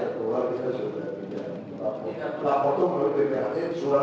laporan kita sudah laporan itu menurut bpht surat